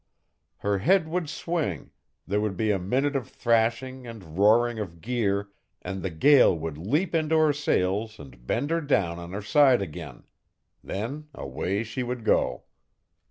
Her head would swing, there would be a minute of thrashing and roaring of gear, and the gale would leap into her sails and bend her down on her side again. Then away she would go.